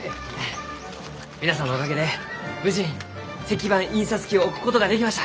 皆さんのおかげで無事石版印刷機を置くことができました！